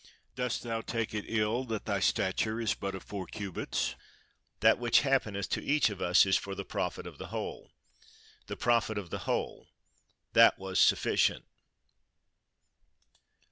Dost thou take it ill that thy stature is but of four cubits? That which happeneth to each of us is for the profit of the whole. The profit of the whole,—that was sufficient!